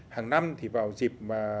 hàng năm thì vào dịp